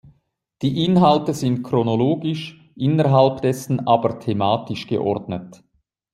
Die Inhalte sind chronologisch, innerhalb dessen aber thematisch geordnet.